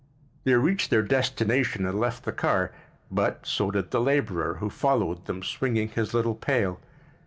They reached their destination and left the car, but so did the laborer, who followed them, swinging his little pail.